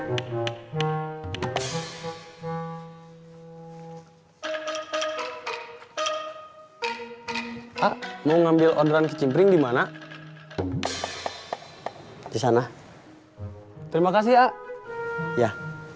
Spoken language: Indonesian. hai tak mau ngambil orderan kecimpring dimana di sana terima kasih ya ya